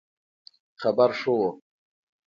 خبر ښه وو